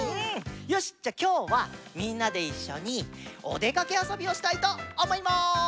よしじゃあきょうはみんなでいっしょにおでかけあそびをしたいとおもいます。